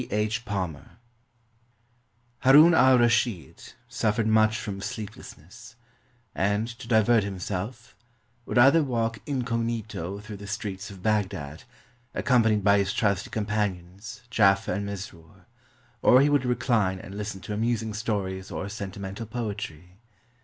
H. PALMER Haroun al Rashed suffered much from sleeplessness, and, to divert himself, would either walk incognito through the streets of Bagdad, accompanied by his trusty companions, Jaafer and Mesrur, or he would recline and listen to amusing stories or sentimental poetry.